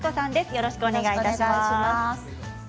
よろしくお願いします。